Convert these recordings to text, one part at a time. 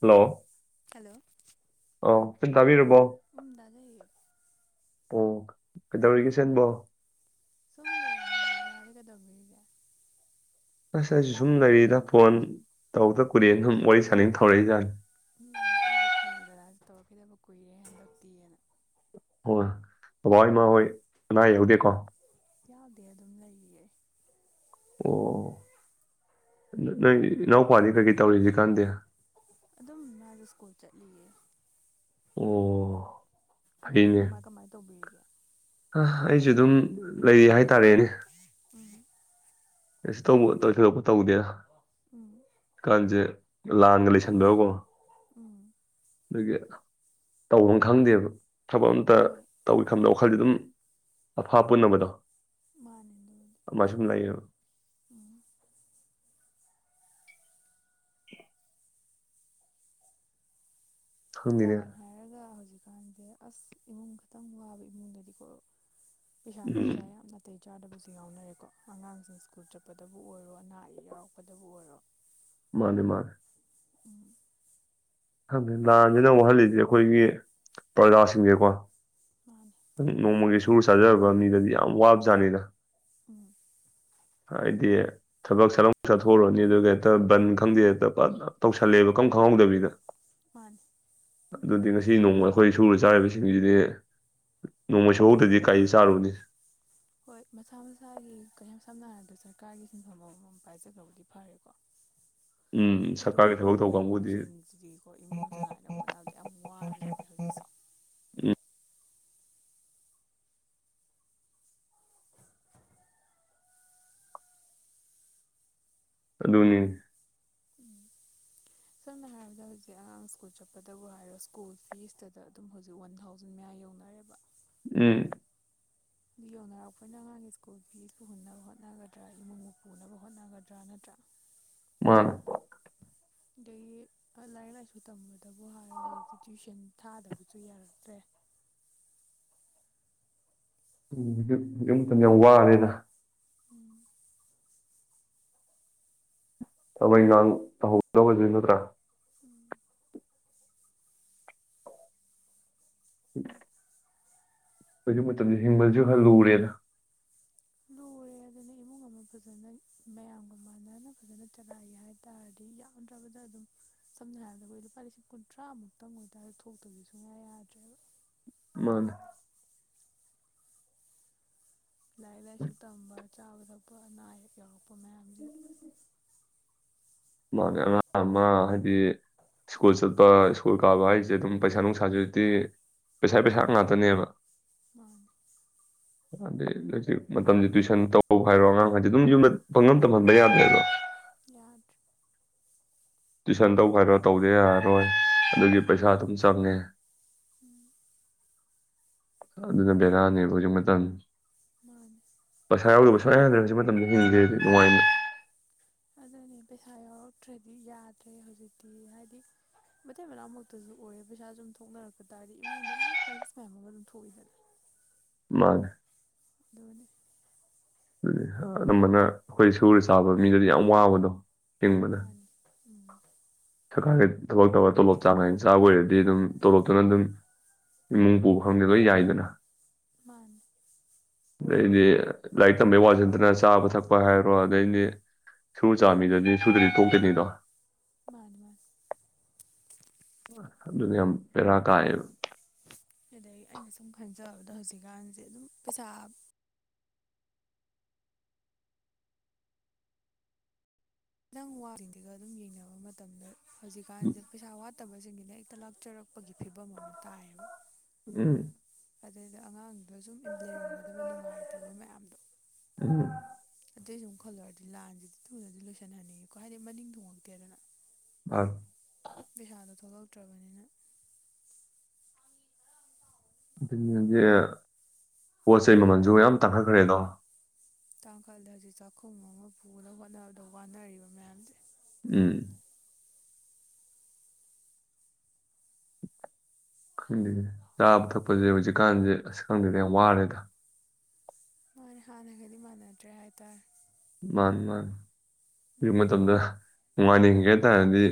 hello hello ꯑꯣ ꯆꯟ ꯇꯥꯕꯤꯔꯕꯣ ꯎꯝ ꯗꯥꯖꯩꯌꯦ ꯑꯣ ꯀꯩꯗꯧꯔꯤꯒꯦ ꯆꯟꯕꯣ ꯁꯨꯝ ꯂꯩꯔꯝꯃꯤꯅꯦ ꯗꯥꯗꯤ ꯀꯩꯗꯧꯕꯤꯔꯤꯒꯦ ꯑꯁ ꯑꯩꯁꯨ ꯁꯨꯝ ꯂꯩꯔꯤꯗ ꯐꯣꯟ ꯇꯧꯗ ꯀꯨꯏꯔꯦꯅ ꯁꯨꯝ ꯋꯥꯔꯤ ꯁꯥꯅꯤꯡ ꯇꯧꯔꯛꯏ ꯖꯥꯠꯅꯤ ꯎꯝ ꯑꯩꯁꯨ ꯈꯜꯂꯦ ꯗꯗꯥꯖꯦ ꯇꯧꯔꯛꯈꯤꯗꯕ ꯀꯨꯏꯔꯦ ꯍꯟꯗꯛꯇꯤ ꯑꯥꯅ ꯍꯣꯏ ꯕꯕꯥ ꯍꯣꯏ ꯏꯃ ꯍꯣꯏ ꯑꯅꯥ ꯑꯌꯦꯛ ꯌꯥꯎꯗꯦꯀꯣ ꯌꯥꯎꯗꯦ ꯑꯗꯨꯝ ꯂꯩꯔꯤꯌꯦ ꯑꯣ ꯅꯣꯏ ꯏꯅꯥꯎꯄꯥꯗꯤ ꯀꯩ-ꯀꯩ ꯇꯧꯔꯤ ꯍꯖꯤꯛꯀꯥꯟꯗꯤ ꯑꯗꯨꯝ ꯃꯥꯖꯨ ꯁ꯭ꯀꯨꯜ ꯆꯠꯂꯤꯌꯦ ꯑꯣ ꯗꯥꯗꯗꯤ ꯐꯩꯅꯦ ꯀꯃꯥꯏ ꯀꯃꯥꯏ ꯇꯧꯕꯤꯔꯤꯒꯦ ꯑ ꯑꯩꯁꯨ ꯑꯗꯨꯝ ꯂꯩꯔꯤ ꯍꯥꯏ ꯇꯥꯔꯦꯅꯦ ꯎꯝ ꯀꯩꯁꯨ ꯇꯧꯕꯥ ꯊꯣꯏꯗꯣꯛꯄ ꯇꯧꯗꯦꯗꯥ ꯎꯝ ꯀꯥꯟꯖꯦ ꯂꯥꯟꯒ ꯂꯩꯁꯟꯕꯒꯥꯀꯣ ꯎꯝ ꯑꯗꯨꯒꯤ ꯇꯧꯐꯝ ꯈꯪꯗꯦꯕ ꯊꯕꯛ ꯑꯝꯇ ꯍꯣꯏ ꯇꯧꯏꯒꯦ ꯈꯟꯗ ꯋꯥꯈꯜꯗꯤ ꯑꯗꯨꯝ ꯑꯐꯥ ꯑꯄꯨꯟꯅꯥꯕꯗꯣ ꯃꯥꯅꯦ ꯑꯗꯨꯕꯨꯗꯤ ꯑꯃꯥꯏ ꯁꯨꯝ ꯂꯩꯌꯦꯕ ꯎꯝ ꯈꯪꯗꯦꯅꯦ ꯂꯥꯟ ꯍꯥꯏꯔꯒ ꯍꯧꯖꯤꯛꯀꯥꯟꯖꯦ ꯑꯁ ꯏꯃꯨꯡ ꯈꯇꯪ ꯋꯥꯕ ꯏꯃꯨꯡꯗꯗꯤꯀꯣ ꯄꯩꯁꯥ ꯎꯝ ꯅꯨꯡꯁꯥ ꯌꯥꯝꯅ ꯅꯥꯇꯩ ꯆꯥꯗꯕꯁꯨ ꯌꯥꯎꯅꯔꯦꯀꯣ ꯑꯉꯥꯡꯁꯤꯡ ꯁ꯭ꯀꯨꯜ ꯆꯠꯄꯗꯕꯨ ꯑꯣꯏꯔꯣ ꯑꯅꯥ ꯑꯌꯦꯛ ꯌꯥꯎꯔꯛꯄꯗꯕꯨ ꯑꯣꯏꯔꯣ ꯃꯥꯅꯦ ꯃꯥꯅꯦ ꯎꯝ ꯈꯪꯗꯦ ꯂꯥꯟꯖꯤꯅ ꯋꯥꯍꯜꯂꯤꯖꯦ ꯑꯩꯈꯣꯏꯒꯤ ꯄ꯭ꯔꯖꯥꯁꯤꯡꯅꯦꯀꯣ ꯃꯥꯅꯦ ꯅꯣꯡꯃꯒꯤ ꯁꯨꯔ ꯆꯥꯖꯕ ꯃꯤꯗꯗꯤ ꯌꯥꯝ ꯋꯥꯕ ꯖꯥꯠꯅꯤꯗ ꯎꯝ ꯍꯥꯏꯗꯤ ꯊꯕꯛ ꯁꯠ ꯂꯥꯎꯅ ꯆꯠꯊꯣꯛꯎꯔꯅꯤ ꯑꯗꯨꯒ ꯍꯦꯛꯇ ꯕꯟ ꯈꯪꯗꯦ ꯍꯦꯛꯇ ꯐꯠ ꯂꯥꯎ ꯇꯧꯁꯜꯂꯛꯑꯦꯕ ꯏꯈꯪ ꯈꯪꯍꯧꯗꯕꯤꯗ ꯃꯥꯅꯤ ꯑꯗꯨꯗꯤ ꯉꯁꯤ ꯅꯣꯡꯃ ꯑꯩꯈꯣꯏ ꯁꯨꯔ ꯆꯥꯔꯤꯕꯁꯤꯡꯁꯤꯗꯤ ꯅꯣꯡꯃꯩ ꯁꯨꯍꯧꯗꯔꯗꯤ ꯀꯔꯤ ꯆꯥꯔꯨꯅꯤ ꯍꯣꯏ ꯃꯁꯥ ꯃꯁꯥꯒꯤ ꯀꯌꯥꯝ ꯁꯝꯅ ꯍꯥꯏꯔꯕꯗ ꯁꯔꯀꯥꯔꯒꯤ ꯁꯤꯟꯐꯝ ꯑꯃꯃꯝ ꯄꯥꯏꯖꯈ꯭ꯔꯕꯨꯗꯤ ꯐꯔꯦꯀꯣ [inaudible] ꯑꯗꯨ ꯁꯔꯀꯥꯔꯒꯤ ꯊꯕꯛ ꯄꯥꯏꯍꯧꯗꯕ ꯇꯧꯕ ꯀꯥꯡꯕꯨꯗꯤ ꯏꯃꯨꯡꯁꯤꯡꯁꯤꯗꯤꯀꯣ ꯏꯃꯨꯡ ꯆꯂꯥꯏꯅꯕ ꯍꯣꯠꯅꯕꯗ ꯌꯥꯝ ꯋꯥꯔꯕꯖꯥꯠꯅꯤ ꯍꯧꯖꯤꯛꯁꯦ ꯑꯗꯨꯅꯤ ꯎꯝ ꯁꯝꯅ ꯍꯥꯏꯔꯕꯗ ꯍꯧꯖꯤꯛ ꯑꯉꯥꯡ ꯁ꯭ꯀꯨꯜ ꯆꯠꯄꯗꯕꯨ ꯍꯥꯏꯔꯣ ꯁ꯭ꯀꯨꯜ ꯐꯤꯁꯇꯗ ꯑꯗꯨꯝ ꯍꯧꯖꯤꯛ ꯋꯥꯟ ꯊꯥꯎꯖꯟ ꯃꯌꯥ ꯌꯧꯅꯔꯦꯕ ꯎꯝ ꯑꯗꯨ ꯌꯧꯅꯔꯛꯄꯅ ꯑꯉꯥꯡꯒꯤ ꯁ꯭ꯀꯨꯜ ꯐꯤꯁꯄꯨ ꯍꯨꯟꯅꯕ ꯍꯣꯠꯅꯒꯗ꯭ꯔꯥ ꯏꯃꯨꯡꯕꯨ ꯄꯨꯅꯕ ꯍꯣꯠꯅꯒꯗ꯭ꯔꯥ ꯅꯠꯇ꯭ꯔꯥ ꯃꯥꯅ ꯑꯗꯒꯤ ꯑ ꯂꯥꯏꯔꯤꯛ ꯂꯥꯏꯁꯨ ꯇꯝꯕꯗꯕꯨ ꯍꯥꯏꯔꯣ ꯍꯧꯖꯤꯛꯇꯤ ꯇ꯭ꯋꯤꯁꯟ ꯊꯥꯗꯕꯁꯨ ꯌꯥꯔꯛꯇ꯭ꯔꯦ [unintelligible] ꯍꯧꯖꯤꯛ ꯃꯇꯝꯖꯦ ꯌꯥꯝ ꯋꯥꯔꯦꯗ ꯊꯕꯛ ꯏꯪꯒꯥꯡ ꯇꯧꯍꯧꯗꯕꯁꯦ ꯅꯠꯇ꯭ꯔꯥ ꯎꯝ [unintelligible] ꯍꯧꯖꯤꯛ ꯃꯇꯝꯖꯤ ꯍꯤꯡꯕꯗꯖꯨ ꯈꯔ ꯂꯨꯔꯦꯅ ꯂꯨꯔꯦ ꯑꯗꯨꯅꯦ ꯏꯃꯨꯡ ꯑꯃ ꯐꯖꯅ ꯃꯌꯥꯝꯒ ꯃꯥꯟꯅꯅ ꯐꯖꯅ ꯆꯂꯥꯏꯒꯦ ꯍꯥꯏ ꯇꯥꯔꯗꯤ ꯌꯥꯝꯗ꯭ꯔꯕꯗ ꯑꯗꯨꯝ ꯁꯝꯅ ꯍꯥꯏꯔꯕꯗ ꯑꯩꯈꯣꯏ ꯂꯨꯄꯥ ꯂꯤꯁꯤꯡ ꯀꯨꯟꯊ꯭ꯔꯥꯃꯨꯛ ꯇꯪ ꯑꯣꯏ ꯇꯥꯥꯔ ꯊꯣꯛꯇꯕꯒꯤ ꯁꯨꯡꯌꯥ ꯌꯥꯗ꯭ꯔꯦꯕ ꯃꯥꯅꯦ ꯂꯥꯏꯔꯤꯛ ꯂꯥꯏꯁꯨ ꯇꯝꯕ ꯆꯥꯕ ꯊꯛꯄ ꯑꯅꯥ ꯑꯌꯦꯛ ꯌꯥꯎꯔꯛꯄ ꯃꯌꯥꯝꯖꯤꯗ ꯃꯥꯅꯦ ꯑꯉꯥꯡ ꯑꯃ ꯍꯥꯏꯗꯤ ꯁ꯭ꯀꯨꯜ ꯆꯠꯄ ꯁ꯭ꯀꯨꯜ ꯀꯥꯕ ꯍꯥꯏꯖꯦ ꯑꯗꯨꯝ ꯄꯩꯁꯥ ꯅꯨꯡꯁꯥꯖꯨꯗꯤ ꯄꯩꯁꯥ ꯄꯩꯁꯥ ꯉꯥꯛꯇꯅꯦꯕ ꯃꯥꯅꯤ [inaudible] ꯑꯗꯩ ꯍꯧꯖꯤꯛ ꯃꯇꯝꯖꯦ ꯇꯨꯏꯁꯟ ꯇꯧꯕ ꯍꯥꯏꯔꯣ ꯑꯉꯥꯡ ꯍꯥꯏꯖꯦ ꯑꯗꯨꯝ ꯌꯨꯝꯗ ꯄꯪꯇꯝ ꯇꯝꯍꯟꯕ ꯌꯥꯗ꯭ꯔꯦꯕ ꯌꯥꯗ꯭ꯔꯦ ꯇꯨꯏꯁꯟ ꯇꯧꯕ ꯍꯥꯏꯔꯣ ꯇꯧꯗ ꯌꯥꯔꯔꯣꯏ ꯑꯗꯨꯒꯤ ꯄꯩꯁꯥ ꯎꯝ ꯑꯗꯨꯝ ꯆꯪꯉꯦ ꯎꯝ ꯑꯗꯨꯅ ꯕꯦꯔꯥꯅꯦꯕ ꯍꯧꯖꯤꯛ ꯃꯇꯝꯖꯦ ꯃꯥꯅꯦ ꯄꯩꯁꯥ ꯌꯥꯎꯗꯕ ꯁꯨꯡꯌꯥ ꯌꯥꯗꯦ ꯍꯧꯖꯥꯛ ꯃꯇꯝꯗ ꯍꯤꯡꯒꯦꯗꯤ ꯅꯨꯡꯉꯥꯏꯅ ꯑꯗꯨꯅꯦ ꯄꯩꯁꯥ ꯌꯥꯎꯔꯛꯇ꯭ꯔꯗꯤ ꯌꯥꯗ꯭ꯔꯦ ꯍꯧꯖꯤꯛꯇꯤ ꯍꯥꯏꯗꯤ ꯃꯇꯩ ꯃꯅꯥꯎꯃꯛꯇꯖꯨ ꯑꯣꯏꯔ ꯄꯩꯁꯥꯁꯨꯝ ꯊꯣꯛꯅꯔꯛꯄ ꯇꯥꯔꯗꯤ ꯏꯃꯨꯡꯗ ꯃꯌꯥꯝ ꯀ꯭ꯔꯥꯏꯁꯤꯁ ꯃꯌꯥꯝ ꯑꯃ ꯑꯗꯨꯝ ꯊꯣꯛꯏꯗꯅ ꯃꯥꯅꯤ ꯑꯗꯨꯅꯦ ꯑꯗꯨꯅꯦ ꯑꯅꯝꯕꯥꯅ ꯑꯈꯣꯏ ꯁꯨꯔ ꯆꯥꯕ ꯃꯤꯗꯥꯗꯤ ꯌꯥꯝ ꯋꯥꯕꯗꯣ ꯍꯤꯡꯕꯗ ꯃꯥꯅꯦ ꯎꯝ ꯁꯔꯀꯥꯔꯒꯤ ꯊꯕꯛ ꯇꯧꯔ ꯇꯣꯂꯣꯞ ꯆꯥꯡ ꯅꯥꯏꯅꯥ ꯆꯥꯕ ꯑꯣꯏꯔꯗꯤ ꯑꯗꯨꯝ ꯇꯣꯂꯣꯞꯇꯨꯅ ꯑꯗꯨꯝ ꯏꯃꯨꯡ ꯄꯨꯕ ꯈꯪꯗꯦ ꯂꯣꯏ ꯌꯥꯏꯗꯅ ꯃꯥꯥꯅꯦ ꯑꯗꯩꯗꯤ ꯂꯥꯏꯔꯤꯛ ꯇꯝꯕꯩ ꯋꯥꯁꯤ ꯅꯠꯇꯅꯥ ꯆꯥꯕ ꯊꯛꯄ ꯍꯥꯏꯔꯣ ꯑꯗꯩꯗꯤ ꯁꯨꯔꯥ ꯆꯥꯕꯥꯃꯤꯗꯥꯗꯤ ꯁꯨꯗ꯭ꯔꯥꯗꯤ ꯇꯣꯛꯇꯨꯏꯅꯤꯗꯣ ꯃꯥꯅꯤ ꯃꯥꯥꯅꯤ ꯑꯗꯨꯅ ꯌꯥꯝ ꯕꯦꯔꯥ ꯀꯥꯏꯌꯦꯕꯥ ꯑꯗꯥꯒꯤ ꯑꯩꯅ ꯁꯨꯝ ꯈꯟꯖꯥꯕꯗ ꯍꯧꯖꯤꯛꯀꯥꯟꯁꯦ ꯑꯗꯨꯝ ꯄꯩꯁꯥ ꯅꯪ ꯋꯥꯔꯤꯉꯩꯒꯥ ꯑꯗꯨꯝ ꯌꯦꯡꯅꯥꯕ ꯃꯇꯝꯗ ꯍꯧꯖꯤꯛꯀꯥꯟꯁꯦ ꯄꯩꯁꯥ ꯋꯥꯠ ꯐꯠꯇꯕꯁꯤꯡꯒꯤꯅ ꯍꯦꯛꯇ ꯂꯥꯛꯆꯔꯛꯄꯒꯤ ꯐꯤꯕꯝ ꯑꯃ ꯇꯥꯏꯌꯦꯕ ꯎꯝ ꯑꯗꯩꯗꯥ ꯑꯉꯥꯡꯗꯣ ꯁꯨꯝ ꯂꯩꯔꯝꯒꯥꯗꯕ ꯅꯨꯡꯉꯥꯏꯇꯕ ꯃꯌꯥꯝꯗꯣ ꯎꯝ ꯑꯗꯨꯏꯁꯨꯨꯝ ꯈꯜꯂꯨꯔꯗꯤ ꯂꯥꯟꯁꯤꯗꯤ ꯊꯨꯅꯗꯤ ꯂꯣꯏꯁꯟꯍꯟꯅꯤꯡꯉꯦꯀꯣ ꯍꯥꯏꯗꯤ ꯃꯅꯤꯡ ꯊꯨꯡꯉꯛꯇꯦꯗꯥꯅ ꯑꯥ ꯄꯩꯁꯥꯗꯣ ꯊꯣꯛꯂꯛꯇ꯭ꯔꯕꯅꯤꯅ ꯄꯣꯠ ꯆꯩ ꯃꯃꯜꯁꯨ ꯌꯥꯝ ꯇꯥꯡꯈꯠꯈ꯭ꯔꯦꯗꯣ ꯇꯥꯡꯈꯜꯂꯦ ꯍꯧꯖꯤꯛ ꯆꯥꯛꯈꯨꯝ ꯑꯃꯥ ꯄꯨꯅꯕ ꯍꯣꯠꯅꯕꯗ ꯋꯥꯅꯔꯤꯕ ꯃꯌꯥꯝꯁꯦ ꯎꯝ ꯈꯪꯗꯦ ꯆꯥꯕ ꯊꯛꯄꯁꯦ ꯍꯧꯖꯤꯛꯀꯥꯟꯁꯦ ꯑꯁ ꯈꯪꯗꯦꯗ ꯌꯥꯝ ꯋꯥꯔꯦꯗ ꯍꯣꯢ ꯍꯥꯟꯅꯒꯗꯤ ꯃꯥꯟꯅꯗ꯭ꯔꯦ ꯍꯥꯏꯇꯥꯔꯦ ꯃꯥꯥꯅꯤ ꯃꯥꯥꯅꯤ ꯍꯧꯖꯤꯛ ꯎꯝ ꯃꯇꯝꯗꯥ ꯅꯨꯡꯉꯥꯏꯅ ꯍꯤꯡꯒꯦ ꯍꯥꯏꯇꯥꯔꯗꯤ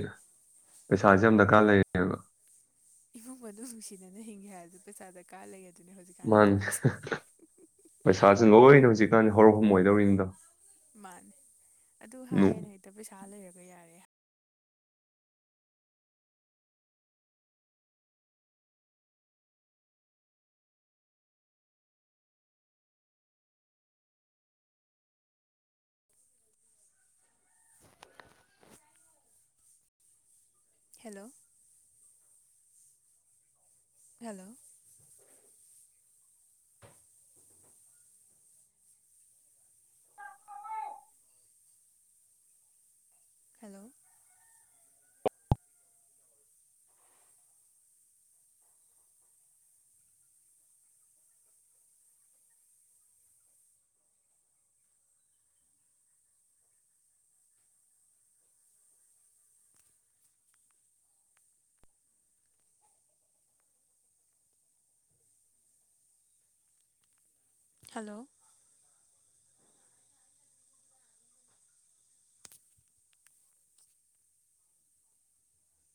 ꯄꯩꯁꯥꯥꯁꯦ ꯌꯥꯝ ꯗꯔꯀꯥꯔ ꯂꯩ ꯏꯃꯨꯡ ꯃꯅꯨꯡ ꯅꯨꯡꯁꯤꯅꯥꯅ ꯍꯤꯡꯒꯦ ꯍꯥꯏꯔꯁꯨ ꯄꯩꯁꯥ ꯗꯔꯀꯥꯔ ꯂꯩ ꯑꯗꯨꯅꯦ ꯍꯧꯖꯤꯛꯀꯥꯟꯗꯤ ꯇꯧꯔꯤꯁꯦ ꯄꯩꯁꯥꯥꯁꯦ ꯂꯣꯏꯅ ꯍꯧꯖꯤꯛꯀꯥꯟꯗꯤ ꯍꯧꯔꯛꯐꯝ ꯑꯣꯏꯗꯧꯔꯤꯅꯤꯗꯣ ꯃꯥꯅꯦ ꯑꯗꯨ ꯍꯥꯏꯌꯦꯅ ꯍꯦꯛꯇ ꯄꯩꯁꯥ ꯂꯩꯔꯒ ꯌꯥꯔꯦ ꯍꯜꯂꯣ ꯍꯜꯂꯣ [inaudible] ꯍꯜꯂꯣ ꯍꯜꯂꯣ